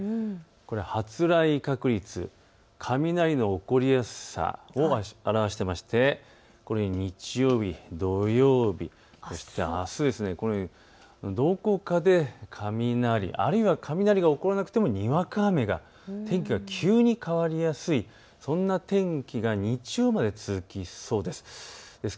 これは発雷確率、雷の起こりやすさを表していてこのように日曜日、土曜日、あした、このようにどこかで雷、あるいは雷が起こらなくてもにわか雨が、天気が急に変わりやすい、そんな天気が日曜まで続きそうです。